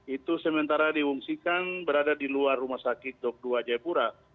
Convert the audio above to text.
itu sementara diungsikan berada di luar rumah sakit dok dua jayapura